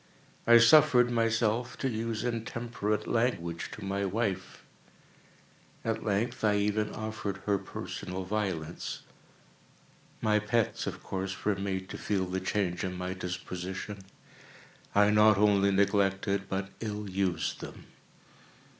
I suffered myself to use intemperate language to my wife. At length, I even offered her personal violence. My pets, of course, were made to feel the change in my disposition. I not only neglected, but ill used them.